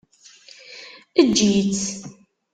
Eǧǧ-itt.